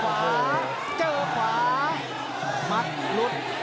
เจ้าสองเจ้าสอง